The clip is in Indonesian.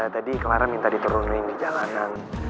tadi clara minta diturunin di jalanan